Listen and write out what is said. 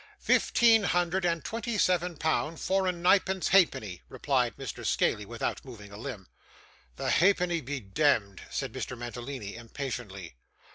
'Fifteen hundred and twenty seven pound, four and ninepence ha'penny,' replied Mr. Scaley, without moving a limb. 'The halfpenny be demd,' said Mr. Mantalini, impatiently.